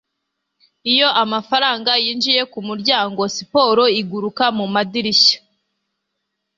Iyo amafaranga yinjiye kumuryango, siporo iguruka mumadirishya.